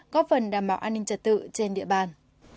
có phần đảm bảo an ninh trật tự trên địa bàn